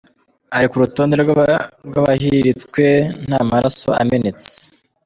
Ari ku rutonde rw’abahiritswe nta maraso amenetse.